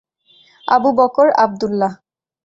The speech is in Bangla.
আবু বকর আবদুল্লাহ।